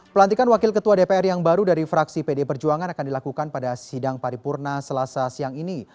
pelantikan wakil ketua dpr yang baru dari fraksi pd perjuangan akan dilakukan pada sidang paripurna selasa siang ini